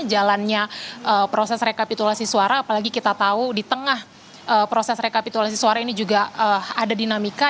jalannya proses rekapitulasi suara apalagi kita tahu di tengah proses rekapitulasi suara ini juga ada dinamika